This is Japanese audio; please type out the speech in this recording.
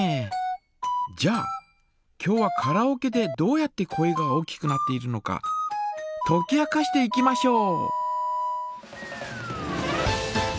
じゃあ今日はカラオケでどうやって声が大きくなっているのかとき明かしていきましょう。